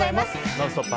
「ノンストップ！」